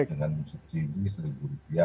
dengan subsidi rp satu